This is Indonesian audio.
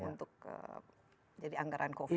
untuk jadi anggaran covid